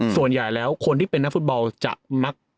ส่วนใหญ่แล้วคนที่เป็นนักฟุตบอลจะมัก